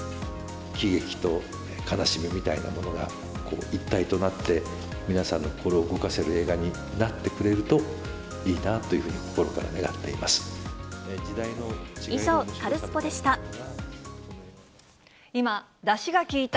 喜劇と悲しみみたいなものが一体となって、皆さんの心を動かせる映画になってくれるといいなというふうに心以上、カルスポっ！でした。